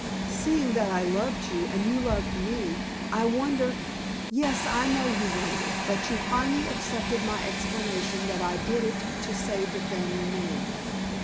"Seeing that I loved you and you loved me, I wonder " "Yes, I know you wondered, but you finally accepted my explanation that I did it to save the family name."